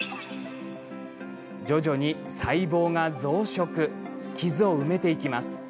徐々に細胞が増殖傷を埋めていきます。